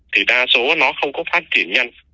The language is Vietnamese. thì đa số nó không có phát triển nhanh